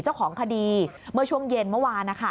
เจ้าของคดีเมื่อช่วงเย็นเมื่อวานนะคะ